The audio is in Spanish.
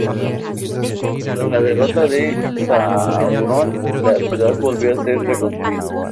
Tras la derrota de Sauron la ciudad volvió a ser reconstruida.